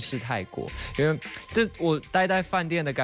ชอบอะไรเป็นพิเศษไหมคะแต่ละท่านเลยค่ะ